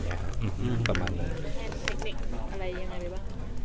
อันตรีกันเทคนิคอะไรอย่างไรบ้าง